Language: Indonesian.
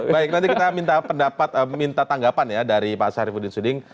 baik nanti kita minta pendapat minta tanggapan ya dari pak syarifudin suding